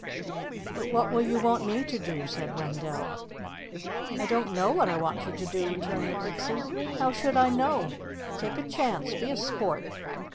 "But what will you want me to do?" said Wendell. "I don't know what I want you to do," returned the Pixie. "How should I know? Take a chance. Be a sport."